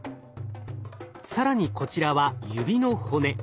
更にこちらは指の骨。